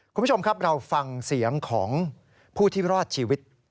คุณผู้ชมครับเราฟังเสียงของผู้ที่รอดชีวิต